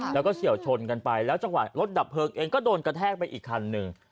แล้วก็เฉียวชนกันไปแล้วจังหวะรถดับเพลิงเองก็โดนกระแทกไปอีกคันหนึ่ง